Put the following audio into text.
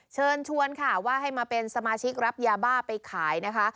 เชิญชวนค่ะว่าให้มาเป็นสมาชิกรับยาบ้าไปขายนะคะ